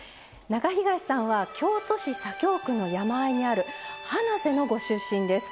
中東さんは京都市左京区の山あいにある花脊のご出身です。